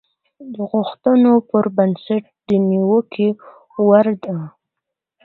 د غوښتنو پر بنسټ د نيوکې وړ دي.